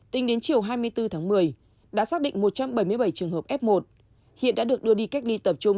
tính đến chiều hai mươi bốn tháng một mươi đã xác định một trăm bảy mươi bảy trường hợp f một hiện đã được đưa đi cách ly tập trung